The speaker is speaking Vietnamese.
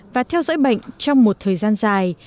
và theo dõi bệnh trong một thời gian dài